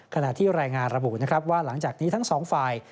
ขณะที่แรงงานระบุว่าหลังจากนี้ทั้งสองฝ่าย